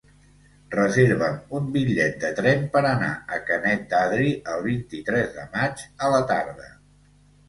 Reserva'm un bitllet de tren per anar a Canet d'Adri el vint-i-tres de maig a la tarda.